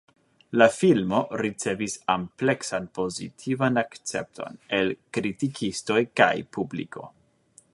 La filmo ricevis ampleksan pozitiva akcepton el kritikistoj kaj publiko.